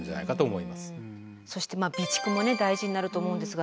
そして備蓄も大事になると思うんですが。